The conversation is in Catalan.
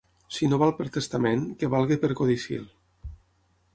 Si no val per testament, que valga per codicil.